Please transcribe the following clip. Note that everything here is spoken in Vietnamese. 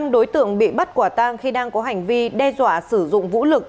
năm đối tượng bị bắt quả tang khi đang có hành vi đe dọa sử dụng vũ lực